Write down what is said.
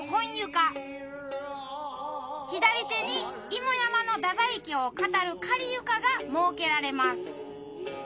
左手に妹山の太宰家を語る「仮床」が設けられます。